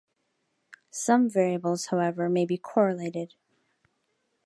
Some variables however may be correlated.